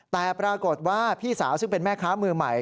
แต่ปรากฏว่าพี่สาวซึ่งเป็นแม่ค้ามือใหม่